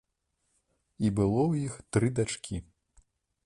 І было ў іх тры дачкі.